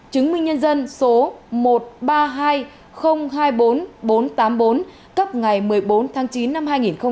chứng minh nhân dân số một ba hai không hai bốn bốn tám bốn cấp ngày một mươi bốn tháng chín năm hai nghìn một mươi sáu